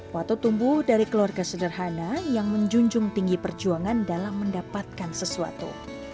watot tumbuh dari keluarga sederhana yang menjunjung tinggi perjuangan dalam mendapatkan sesuatu